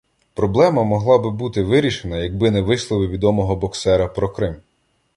Проблема могла би бути вирішена, якби не вислови відомого боксера про Крим